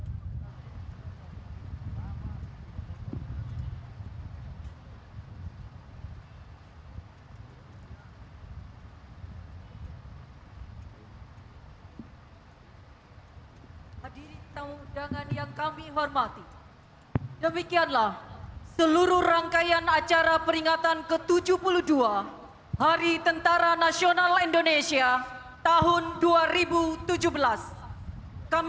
hai hadirin tanggung udangan yang kami hormati demikianlah seluruh rangkaian acara peringatan ke tujuh puluh dua hari tentara nasional indonesia tahun dua ribu tujuh belas kami